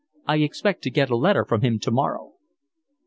I expect to get a letter from him tomorrow."